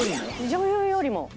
女優よりも。